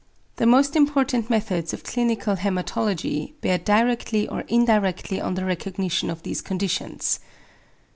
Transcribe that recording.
The most important methods of clinical hæmatology bear directly or indirectly on the recognition of these conditions.